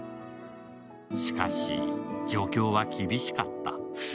しかし、状況は厳しかった。